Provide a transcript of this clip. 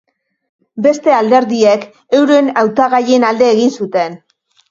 Beste alderdiek euren hautagaien alde egin zuten.